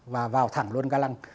và vào thẳng luôn kalan